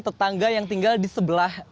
tetangga yang tinggal di sebelah